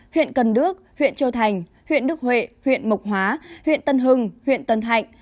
huyện cần đước huyện châu thành huyện đức huệ huyện mộc hóa huyện tân hưng huyện tân thạnh